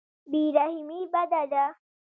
بې رحمي بده ده.